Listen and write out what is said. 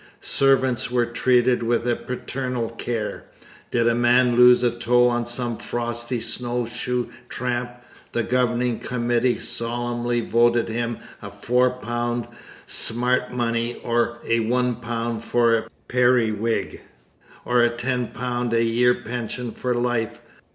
Servants were treated with a paternal care. Did a man lose a toe on some frosty snow shoe tramp, the Governing Committee solemnly voted him '£4 smart money,' or '£1 for a periwig,' or '£10 a year pension for life.'